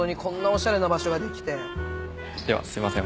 ではすいません。